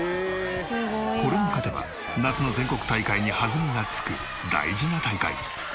これに勝てば夏の全国大会に弾みがつく大事な大会。